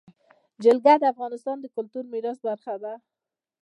جلګه د افغانستان د کلتوري میراث برخه ده.